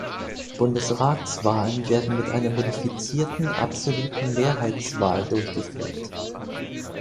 Bundesratswahlen werden mit einer modifizierten absoluten Mehrheitswahl durchgeführt.